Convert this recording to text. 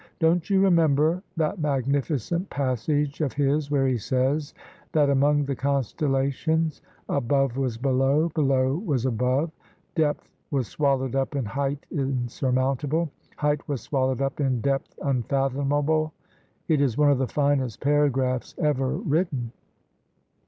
Don't you remem ber that magnificent passage of his where he says that among the constellations 'above was below, below was above: depth was swallowed up in height insurmountable, height was swallowed up in depth unfathomable'? It is one of the finest paragraphs ever written."